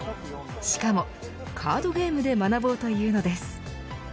しかも、カードゲームで学ぼうというのです。